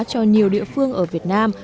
cho nhiều địa phương ở việt nam